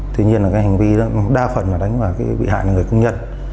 tuy nhiên hành vi đa phần đánh vào bị hại người công nhân